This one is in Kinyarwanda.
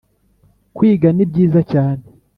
Kwiga ni byiza cyane.